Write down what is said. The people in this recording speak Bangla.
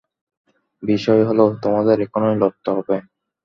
বিষয় হলো, তোমাদের এখনই লড়তে হবে।